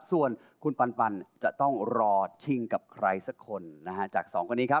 ส่วนคุณปันจะต้องรอชิงกับใครสักคนจากสองคนนี้ครับ